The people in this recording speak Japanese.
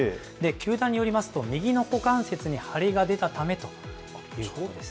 球団によりますと、右の股関節に張りが出たためということです。